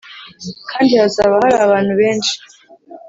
kandi hazaba hari abantu benshi;